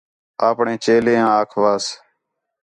آپݨے چیلیں آکھیواس